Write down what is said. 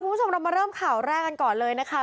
คุณผู้ชมเรามาเริ่มข่าวแรกกันก่อนเลยนะคะ